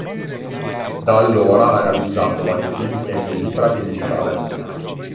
Da allora ha realizzato vari film sia in pellicola che in digitale.